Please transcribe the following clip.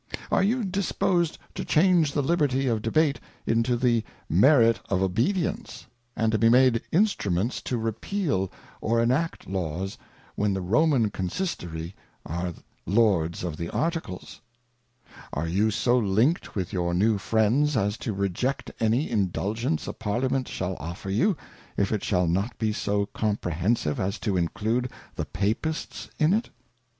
——~~~_ Are jpu disposedJto__change the Liberty of Debate int^ th e Merit of DTjeHience; Md J^.^^ JM^di^lBStl^^ or enactl Laws, vvhen the Roman Consistory axeTiords of the Articles ?———~~ Are you so linked with your new Friends, as to reject any [Indulgence a Parliament shall offer you, if it shall not be so .comprehensive as to include the Papists in it?